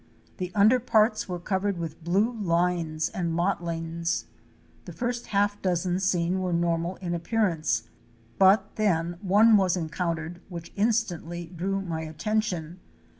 The under parts were covered with blue lines and mottlings. The first half dozen seen were normal in appearance, but then one was encountered which instantly drew my attention.